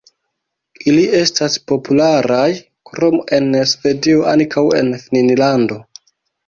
Ili estas popularaj krom en Svedio ankaŭ en Finnlando.